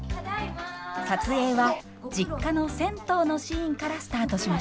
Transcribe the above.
撮影は実家の銭湯のシーンからスタートしました。